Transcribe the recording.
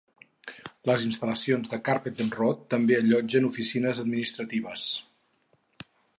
Les instal·lacions de Carpenter Road també allotgen oficines administratives.